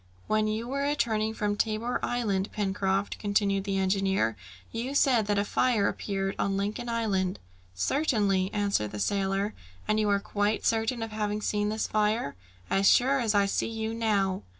"When you were returning from Tabor Island, Pencroft," continued the engineer, "you said that a fire appeared on Lincoln Island?" "Certainly," answered the sailor. "And you are quite certain of having seen this fire?" "As sure as I see you now."